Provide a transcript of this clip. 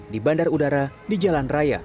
di bandar udara di jalan raya